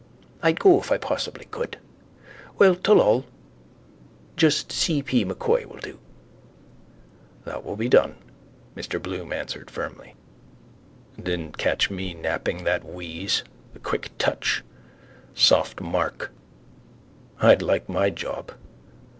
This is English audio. I'd go if I possibly could. Well, tolloll. Just C. P. M'Coy will do. —That will be done, Mr Bloom answered firmly. Didn't catch me napping that wheeze. The quick touch. Soft mark. I'd like my job.